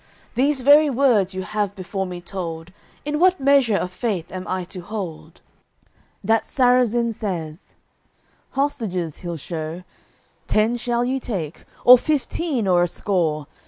These very words you have before me told, In what measure of faith am I to hold?" That Sarrazin says, "Hostages he'll show; Ten shall you take, or fifteen or a score.